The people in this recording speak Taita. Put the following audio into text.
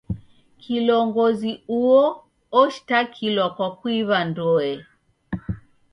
Kilongozi uo oshitakilwa kwa kuiw'a ndoe.